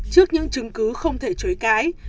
trước những chứng cứ không thể chối cái